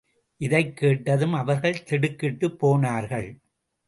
இதைக் கேட்டதும், அவர்கள் திடுக்கிட்டுப் போனார்கள்.